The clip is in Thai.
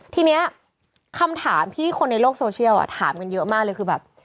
ทีนี้คำถามที่คนในโลกโซเชียลถามกันเยอะมากเลยคือแบบ